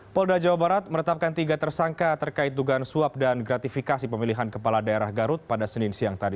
polda jawa barat meretapkan tiga tersangka terkait dugaan suap dan gratifikasi pemilihan kepala daerah garut pada senin siang tadi